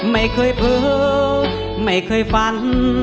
ไม่เคยเผลอไม่เคยฝัน